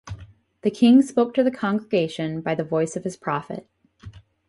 The king spoke to the congregation by the voice of his prophet.